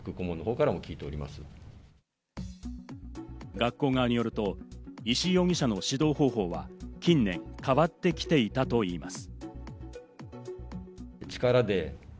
学校側によると、石井容疑者の指導方法は近年、変わってきていたといいます。